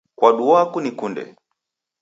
Kwaduaa kunikunde ?